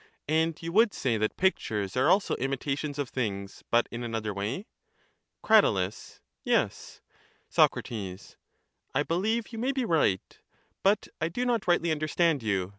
And you would say that pictures are also imitations of things, but in another way? Crat. Yes. Soc. I beheve you may be right, but I do not rightly understand you.